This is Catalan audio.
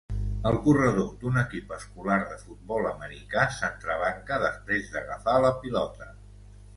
El corredor d'un equip escolar de futbol americà s'entrebanca després d'agafar la pilota